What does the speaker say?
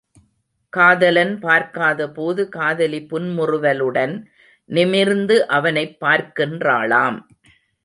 காதலன் பார்க்காதபோது காதலி புன்முறுவலுடன் நிமிர்ந்து அவனைப் பார்க்கின்றாளாம்.